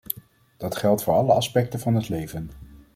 Dat geldt voor alle aspecten van het leven.